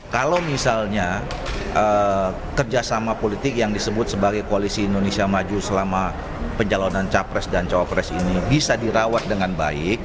kalau misalnya kerjasama politik yang disebut sebagai koalisi indonesia maju selama pencalonan capres dan cawapres ini bisa dirawat dengan baik